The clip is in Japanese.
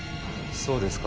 そうですか。